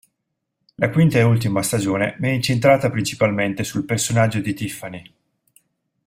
La quinta e ultima stagione è incentrata principalmente sul personaggio di Tiffany.